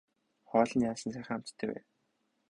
Хоол нь яасан сайхан амттай вэ.